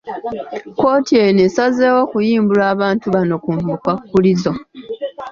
Kkooti eno esazeewo okuyimbula abantu bano ku bukwakkulizo.